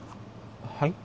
はい？